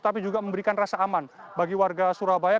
tapi juga memberikan rasa aman bagi warga surabaya